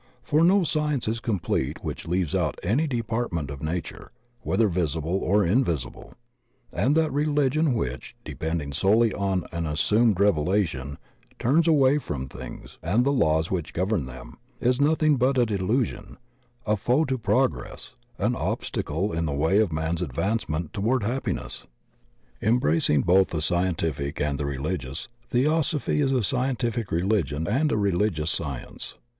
For no science is complete which leaves out any department of nature, whether visible or invisible, and that reUgion which, depending solely on an assumed revelation, turns away from things and the laws which govern them, is nothing but a delusion, a foe to progress, an obstacle in the way of man's ad vancement toward happiness. Embracing both tiie scientific and the reUgious, Theosophy is a scientific reUgion and a reUgious science.